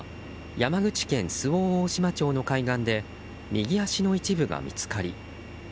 山口県周防大島町の海岸で右足の一部が見つかり